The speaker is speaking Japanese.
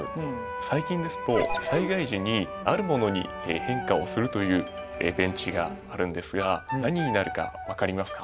最近ですと災害時にあるものに変化をするというベンチがあるんですが何になるかわかりますか？